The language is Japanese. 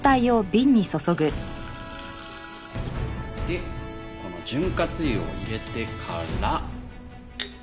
でこの潤滑油を入れてから。